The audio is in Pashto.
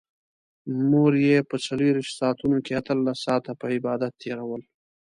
مور يې په څلرويشت ساعتونو کې اتلس ساعته په عبادت تېرول.